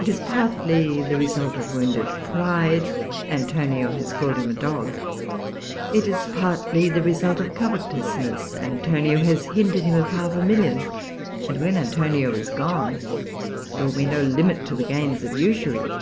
It is partly the result of wounded pride: Antonio has called him dog. It is partly the result of covetousness: Antonio has hindered him of half a million; and, when Antonio is gone there will be no limit to the gains of usury.